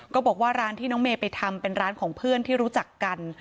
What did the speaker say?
บอกว่าร้านที่น้องเมย์ไปทำเป็นร้านของเพื่อนที่รู้จักกัน